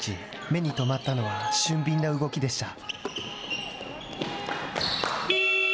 目に留まったのは俊敏な動きでした。